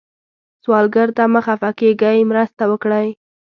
سوالګر ته مه خفه کېږئ، مرسته وکړئ